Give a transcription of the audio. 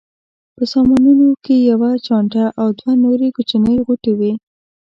په سامانونو کې یوه چانټه او دوه نورې کوچنۍ غوټې وې.